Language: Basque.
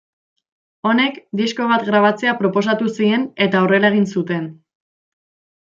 Honek disko bat grabatzea proposatu zien eta horrela egin zuten.